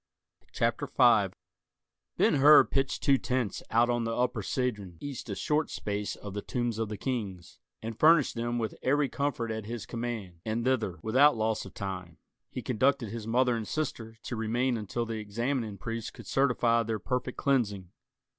CHAPTER V Ben Hur pitched two tents out on the Upper Cedron east a short space of the Tombs of the Kings, and furnished them with every comfort at his command; and thither, without loss of time, he conducted his mother and sister, to remain until the examining priest could certify their perfect cleansing.